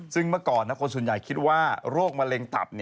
ซึ่งเมื่อก่อนคนส่วนใหญ่คิดว่าโรคมะเร็งตับ